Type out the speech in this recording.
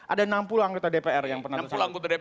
ada enam puluh anggota dpr yang pernah